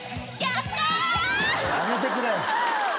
やめてくれ。